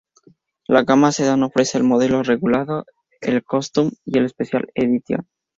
La gama sedan ofrece el modelo regulado, el Custom y el Special Edition.